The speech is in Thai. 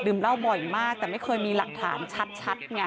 ดื่มเล่าบ่อยมากแต่ไม่เคยมีหลักฐานชัด